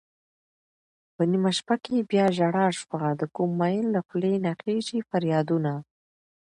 په نېمه شپه کې بياژړا سوه دکوم مين له خولې نه خيژي فريادونه